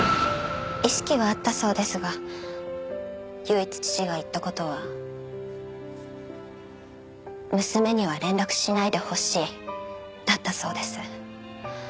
意識はあったそうですが唯一父が言った事は「娘には連絡しないでほしい」だったそうです。